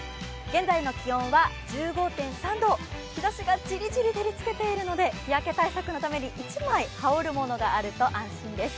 現在の気温は１５．３度、日ざしがじりじり照りつけているので日焼け対策のために１枚羽織るものがあると安心です。